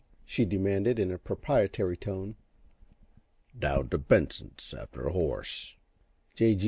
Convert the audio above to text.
she demanded, in a proprietary tone. "Down t' Benson's after a horse." J. G.